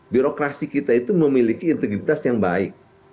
birokrasi kita itu memiliki integritas yang baik